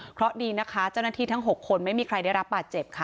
เพราะดีนะคะเจ้าหน้าที่ทั้ง๖คนไม่มีใครได้รับบาดเจ็บค่ะ